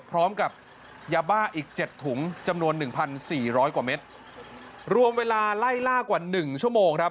พร้อมกับยาบ้าอีกเจ็ดถุงจำนวนหนึ่งพันสี่ร้อยกว่าเม็ดรวมเวลาไล่ล่ากว่าหนึ่งชั่วโมงครับ